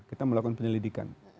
kita melakukan penyelidikan